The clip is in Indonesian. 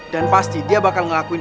dan pasti dia bakal ngelakuin